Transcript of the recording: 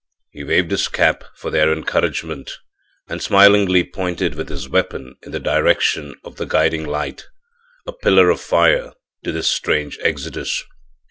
He waved his cap for their encouragement and smilingly pointed with his weapon in the direction of the guiding light a pillar of fire to this strange exodus.